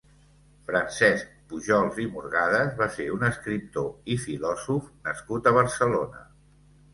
Francesc Pujols i Morgades va ser un escriptor i filòsof nascut a Barcelona.